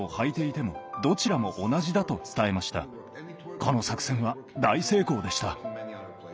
この作戦は大成功でした。